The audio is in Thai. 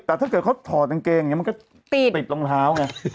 แต่ถ้าเกิดเขาถอดจางเกงมันก็ติดรองเท้าไง